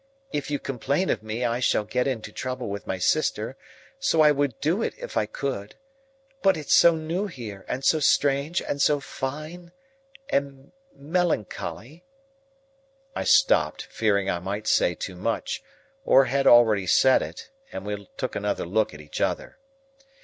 If you complain of me I shall get into trouble with my sister, so I would do it if I could; but it's so new here, and so strange, and so fine,—and melancholy—." I stopped, fearing I might say too much, or had already said it, and we took another look at each other.